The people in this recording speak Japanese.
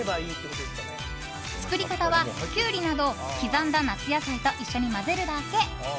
作り方は、キュウリなど刻んだ夏野菜と一緒に混ぜるだけ。